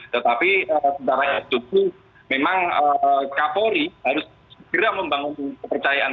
tetapi sementara itu memang kapolri harus segera membangun kepercayaan kembali